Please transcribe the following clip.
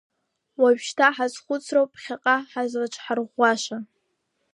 Уажәшьҭа ҳазхәыцроуп ԥхьаҟа ҳазлаҽҳарӷәӷәаша.